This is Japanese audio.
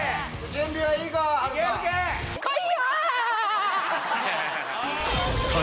準備はいいか？